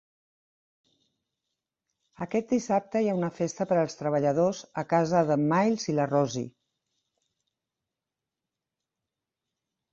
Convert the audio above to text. Aquest dissabte hi ha una festa per als treballadors, a casa d'en Miles i la Rosie.